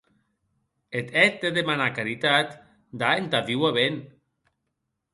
Eth hèt de demanar caritat da entà víuer ben.